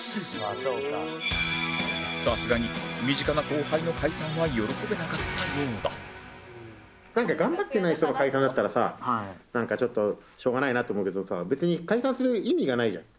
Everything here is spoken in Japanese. さすがに身近な後輩の解散は喜べなかったようだなんか頑張ってない人の解散だったらさなんかちょっとしょうがないなって思うけどさ別に解散する意味がないじゃん。